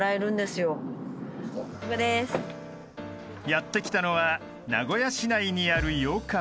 ［やって来たのは名古屋市内にある洋館］